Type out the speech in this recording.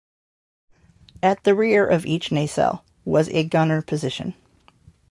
At the rear of each nacelle was a gunner position.